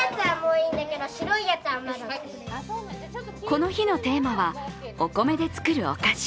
この日のテーマはお米で作るお菓子。